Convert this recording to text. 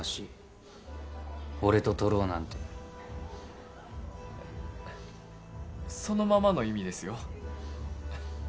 俺と撮ろうなんてそのままの意味ですよ？